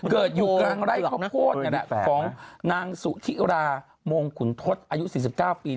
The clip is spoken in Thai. เกิดอยู่กลางไร่ข้าวโพดของนางสุธิรามงขุนทศอายุ๔๙ปี